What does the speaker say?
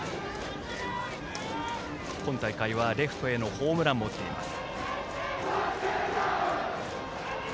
今大会はレフトへのホームランも打っています。